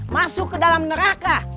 masuk ke dalam neraka